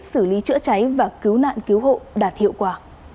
xử lý chữa cháy và cứu nạn cứu hộ đạt hiệu quả